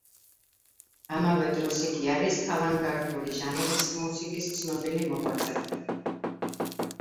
ამავე დროს იგი არის ავანგარდული ჟანრის მუსიკის ცნობილი მოღვაწე.